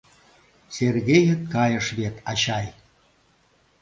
— Сергеет кайыш вет, ачай.